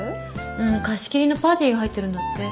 うん貸し切りのパーティーが入ってるんだって。